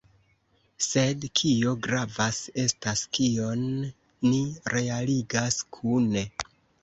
Sed kio gravas, estas kion ni realigas kune.